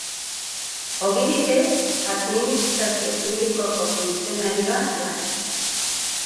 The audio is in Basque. Ogibidez, Administrazio Publikoko funtzionarioa da.